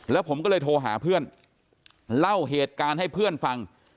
แล้วผมก็เลยโทรหาเพื่อนเล่าเหตุการณ์ให้เพื่อนฟัง